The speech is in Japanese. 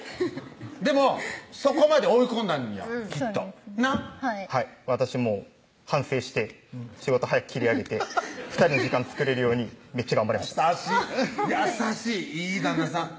でもそこまで追い込んだんやきっとなっはい私も反省して仕事早く切り上げて２人の時間作れるようにめっちゃ頑張りました優しい優しいいい旦那さん